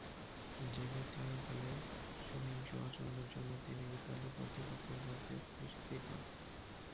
জেলে থাকাকালে সহিংস আচরণের জন্য তিনি ইতালি কর্তৃপক্ষের কাছে পরিচিতি পান।